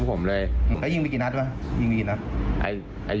ยิงมันมีกี่นัท